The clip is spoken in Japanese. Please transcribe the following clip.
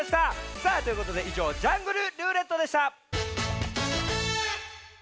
さあということでいじょう「ジャングルるーれっと」でした。